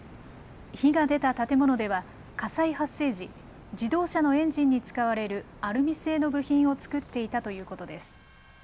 火が出た建物では火災発生時、自動車のエンジンに使われるアルミ製の部品を作っていたということです。